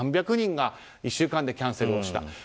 ３００人が１週間でキャンセルをした。